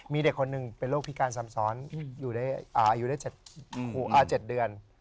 มีเด็กคนหนึ่งเป็นโรคพิการซ้ำซ้อนอายุได้๗เดือน